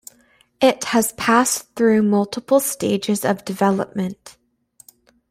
It has passed through multiple stages of development.